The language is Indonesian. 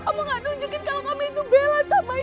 kamu gak nunjukin kalau kamu itu bella sama ibu